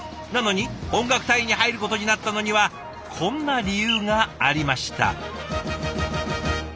なのに音楽隊に入ることになったのにはこんな理由がありました。